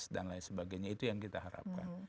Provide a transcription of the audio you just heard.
dan lain sebagainya itu yang kita harapkan